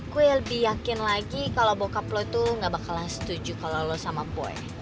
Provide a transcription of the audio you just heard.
gue lebih yakin lagi kalau bokap lo tuh gak bakalan setuju kalau lo sama boy